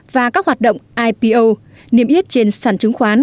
và các hoạt động ipo niêm yết trên sản chứng khoán